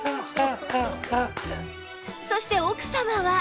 そして奥様は